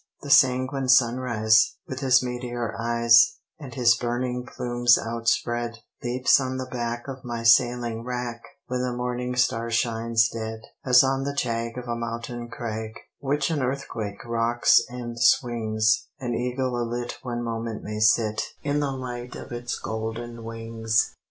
The sanguine Sunrise, with his meteor eyes, And his burning plumes outspread, Leaps on the back of my sailing rack, When the morning star shines dead, As on the jag of a mountain crag, Which an earthquake rocks and swings, An eagle alit one moment may sit In the light of its golden wings.